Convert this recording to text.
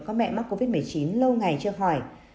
có mẹ mắc covid một mươi chín lâu ngày chưa hỏi